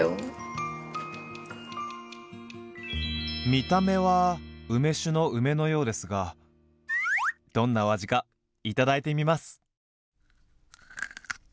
見た目は梅酒の梅のようですがどんなお味か頂いてみます！